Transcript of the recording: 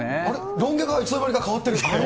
ロン毛がいつの間にか変わってる。